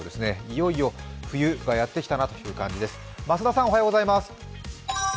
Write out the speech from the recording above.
いよいよ冬がやってきたなという感じです。